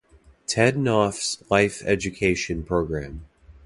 Ted Noffs' Life Education Program.